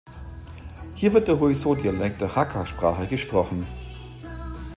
Hier wird der Huizhou-Dialekt der Hakka-Sprache gesprochen.